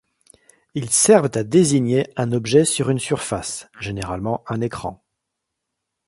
Ils servent à désigner un objet sur une surface — généralement un écran.